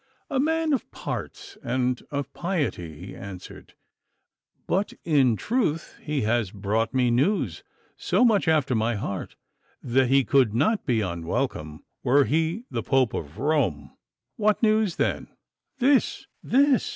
'A man of parts and of piety,' he answered; 'but in truth he has brought me news so much after my heart, that he could not be unwelcome were he the Pope of Rome.' 'What news, then?' 'This, this!